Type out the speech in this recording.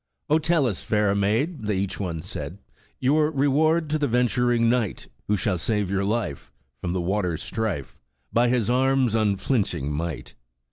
* 0, tell us, fair maid, ' They each one said, 'Your reward to the venturing knight, Who shall save your life, From the water's strife, By his arms' unflinching might.'